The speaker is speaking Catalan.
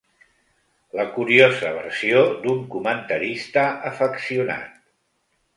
La curiosa versió d’un comentarista afeccionat.